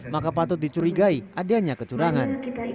maka patut dicurigai adanya kecurangan